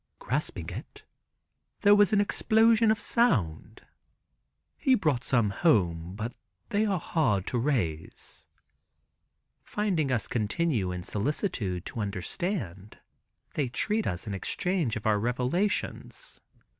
Grasping it, there was an explosion of sound. He brought some home, but they are hard to raise." Finding us continue in solicitude to understand, they treat us in exchange of our revelations.